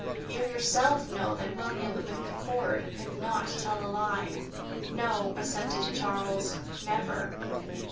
You yourself know that William McCord could not tell a lie." "No," assented Charles; "never."